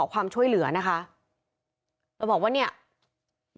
แล้วก็ได้คุยกับนายวิรพันธ์สามีของผู้ตายที่ว่าโดนกระสุนเฉียวริมฝีปากไปนะคะ